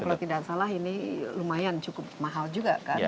kalau tidak salah ini lumayan cukup mahal juga kan